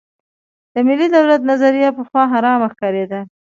د ملي دولت نظریه پخوا حرامه ښکارېده.